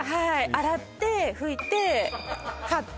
洗って拭いて貼って